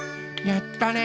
やったね。